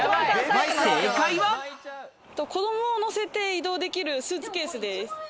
子供を乗せて移動できるスーツケースです。